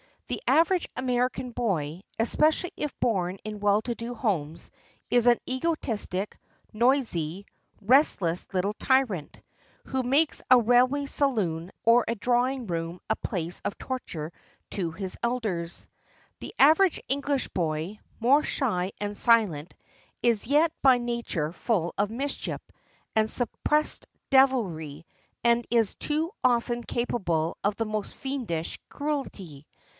The average American boy, especially if born in well to do homes, is an egotistic, noisy, restless Uttle tyrant, who makes a railway saloon or a drawing room a place of torture to his elders. The average English boy, more shy and silent, is yet by nature full of mischief and suppressed devilry, and is too often capable of the most fiendish cruelty.